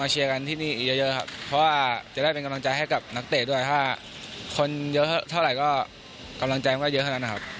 จะได้เป็นกำลังใจให้กับนักเตะด้วยถ้าคนเยอะเท่าไหร่ก็กำลังใจมันก็เยอะเท่านั้นนะครับ